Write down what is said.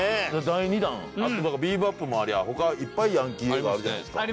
第２弾『ビー・バップ』もありゃ他いっぱいヤンキー映画あるじゃないですか。